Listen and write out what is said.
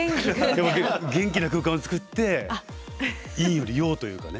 元気な空間を作っていい利用というかね。